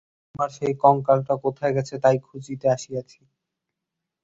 আমার সেই কঙ্কালটা কোথায় গেছে তাই খুঁজিতে আসিয়াছি।